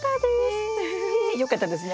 へえよかったですね。